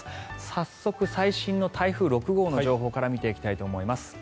早速、最新の台風６号の情報から見ていきたいと思います。